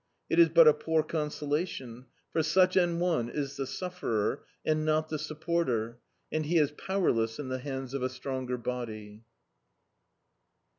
It b but a poor consolation, for such an one is the sufferer, and not the sup porter, and he is powerless in the hands of a stronger hody.